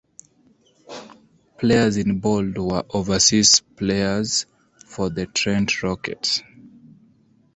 Players in Bold were overseas players for the Trent Rockets.